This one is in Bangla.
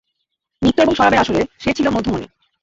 নৃত্য এবং শরাবের আসরের সে ছিল মধ্যমণি।